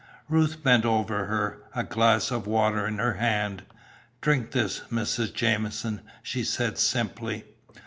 Ruth bent over her, a glass of water in her hand. "Drink this, Mrs. Jamieson," she said simply.